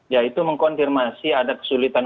ya itu mengkonfirmasi ada kesulitan